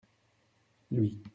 Lui.